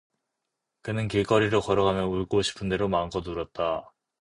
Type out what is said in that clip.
그는 길거리로 걸어가며 울고 싶은 대로 마음껏 울었다.